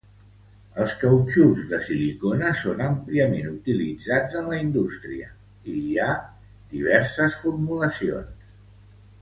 Els cautxús de silicona són àmpliament utilitzats en la indústria, i hi ha diverses formulacions.